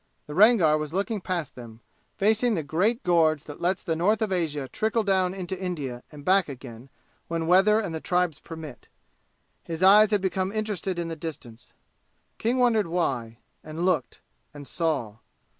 The Rangar was looking past them, facing the great gorge that lets the North of Asia trickle down into India and back again when weather and the tribes permit. His eyes had become interested in the distance. King wondered why and looked and saw.